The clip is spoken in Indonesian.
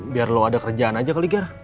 biar lo ada kerjaan aja kali ger